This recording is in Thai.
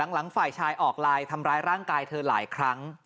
หลังฝ่ายชายออกไลน์ทำร้ายร่างกายเธอหลายครั้ง